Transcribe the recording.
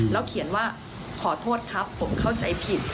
แล้วเขียนว่าขอโทษครับผมเข้าใจผิด